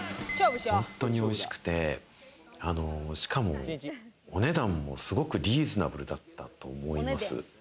本当に美味しくて、しかも、お値段もすごくリーズナブルだったと思います。